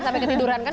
sampai ketiduran kan